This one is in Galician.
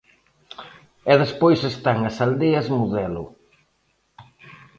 E despois están as aldeas modelo.